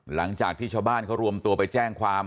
หลังจากที่ชาวบ้านเขารวมตัวไปแจ้งความ